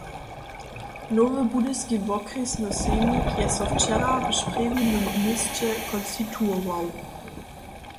Nowy Budyski wokrjesny sejmik je so wčera w sprjewinym měsće konstituował.